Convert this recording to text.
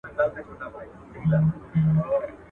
o چي زما او ستا بايده دي، ليري او نژدې څه دي.